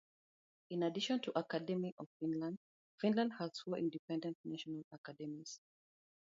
In addition to Academy of Finland, Finland has four independent national academies.